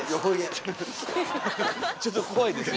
ちょっとこわいですね。